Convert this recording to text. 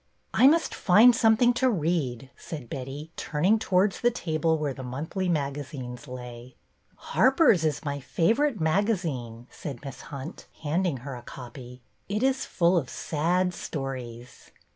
I must find something to read," said Betty, turning towards the table where the monthly magazines lay. " Harper's is my favorite magazine," said Miss Hunt, handing her a copy. '' It is full of sad stories."